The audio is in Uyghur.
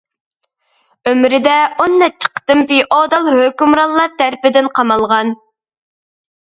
ئۆمرىدە ئون نەچچە قېتىم فېئودال ھۆكۈمرانلار تەرىپىدىن قامالغان.